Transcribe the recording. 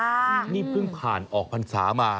นี่เพิ่งผ่านออกพรรษามา